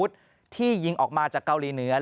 ที่ยิงออกมาจากเกาหลีเหนือ